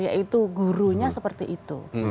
yaitu gurunya seperti itu